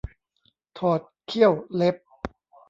ถอดเขี้ยวเล็บ